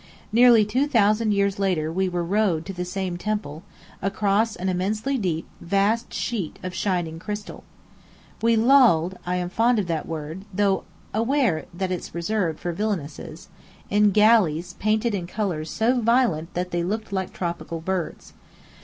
Nearly two thousand years later we were rowed to the same temple, across an immensely deep, vast sheet of shining crystal. We lolled (I am fond of that word, though aware that it's reserved for villainesses) in "galleys" painted in colours so violent that they looked like tropical birds.